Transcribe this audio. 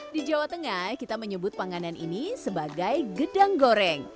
di jawa tengah kita menyebut panganan ini sebagai gedang goreng